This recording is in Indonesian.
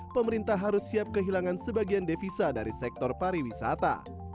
pemerintah harus siap kehilangan sebagian devisa dari sektor pariwisata